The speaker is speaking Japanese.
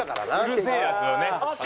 うるせえヤツをね。